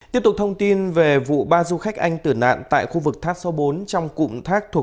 tiếp tục thông tin về vụ ba du khách anh tử nạn tại khu vực tháp số bốn trong cụm thác thuộc